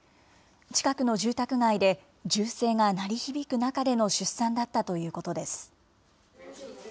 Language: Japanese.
近くの住宅街で、銃声が鳴り響く中での出産だったということです。